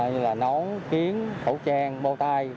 như là nón kiến khẩu trang bôi tay